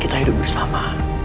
kita hidup bersama